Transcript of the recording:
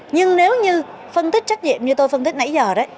nhưng nếu như phân tích trách nhiệm như tôi phân tích nãy giờ đấy